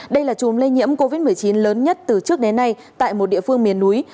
đây là chùm lây nhiễm covid một mươi chín lớn nhất từ trước đến nay tại một địa phương miền núi